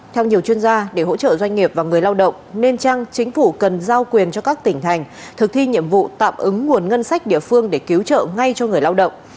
theo nhiều chuyên gia để hỗ trợ doanh nghiệp và người lao động nên chăng chính phủ cần giao quyền cho các tỉnh thành thực thi nhiệm vụ tạm ứng nguồn ngân sách địa phương để cứu trợ ngay cho người lao động